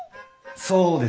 そうですね。